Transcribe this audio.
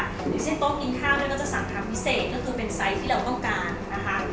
อย่างเช่นโต๊ะกินข้าวนี่ก็จะสั่งทางพิเศษก็คือเป็นไซส์ที่เราต้องการนะคะ